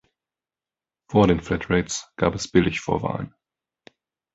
Vor den Flatrates gab es Billigvorwahlen.